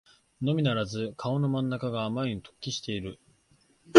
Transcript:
のみならず顔の真ん中があまりに突起している